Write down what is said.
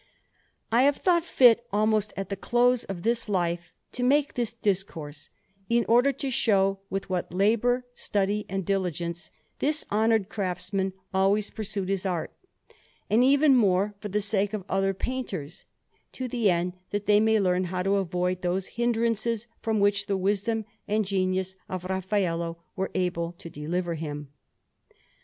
I have thought fit, almost at the close of this Life, to make this discourse, in order to show with what labour, study, and diligence this honoured craftsman always pursued his art; and even more for the sake of other painters, to the end that they may learn how to avoid those hindrances from which the wisdom and genius of Raffaello were able to deliver him.